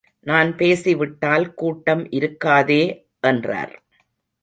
நான் பேசிவிட்டால் கூட்டம் இருக்காதே என்றார்.